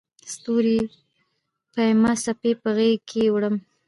ستوري پېیمه څپې په غیږکې وړمه